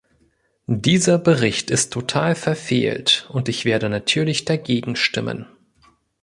Dieser Bericht ist total verfehlt, und ich werde natürlich dagegen stimmen.